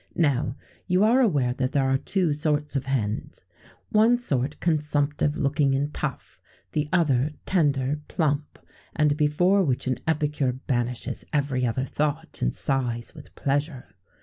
Now, you are aware that there are two sorts of hens; one sort consumptive looking and tough, the other tender, plump, and before which an epicure banishes every other thought, and sighs with pleasure.